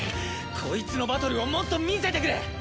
コイツのバトルをもっと見せてくれ！